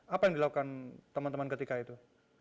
apa yang dilakukan teman teman ketika itu